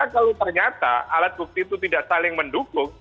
kalau ternyata alat bukti itu tidak saling mendukung